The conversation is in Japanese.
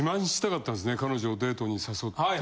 彼女をデートに誘って。